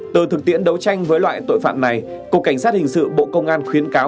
từ thực tiễn đấu tranh với loại tội phạm này cục cảnh sát hình sự bộ công an khuyến cáo